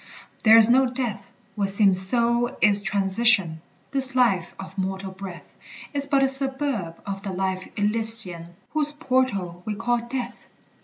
There is no death! What seems so is transition: This life of mortal breath Is but a suburb of the life elysian, Whose portal we call Death.